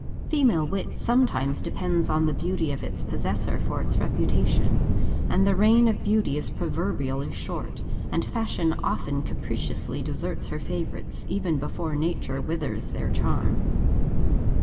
Female wit sometimes depends on the beauty of its possessor for its reputation; and the reign of beauty is proverbially short, and fashion often capriciously deserts her favourites, even before nature withers their charms.